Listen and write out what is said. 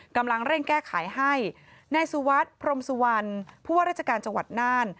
กำลังเร่งแก้ไขให้นายสุวัสดิ์พรมสุวรรณผู้ว่าราชการจังหวัดน่าน